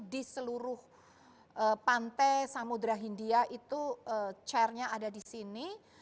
di seluruh pantai samudera hindia itu chairnya ada di sini